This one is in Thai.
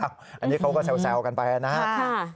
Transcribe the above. อันนี้เขาก็แซวกันไปนะครับ